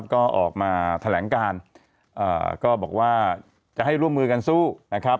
ก็ออกมาแถลงการก็บอกว่าจะให้ร่วมมือกันสู้นะครับ